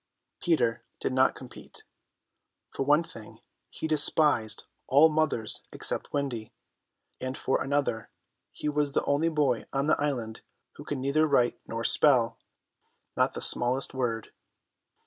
Peter did not compete. For one thing he despised all mothers except Wendy, and for another he was the only boy on the island who could neither write nor spell; not the smallest word.